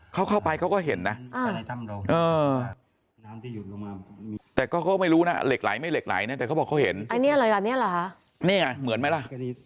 เขาเข้าไปเขาก็เห็นนะแต่ก็ไม่รู้นะเหล็กไหลไม่เหล็กไหลเนี่ยแต่เขาบอกเขาเห็นอันนี้เหมือนไหมล่ะ